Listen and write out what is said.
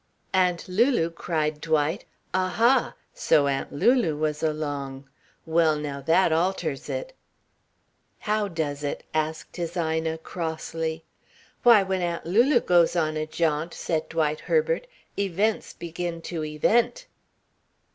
"Aunt Lulu!" cried Dwight. "A ha! So Aunt Lulu was along. Well now, that alters it." "How does it?" asked his Ina crossly. "Why, when Aunt Lulu goes on a jaunt," said Dwight Herbert, "events begin to event."